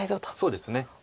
そうですね。